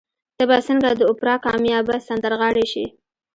ته به څنګه د اوپرا کاميابه سندرغاړې شې؟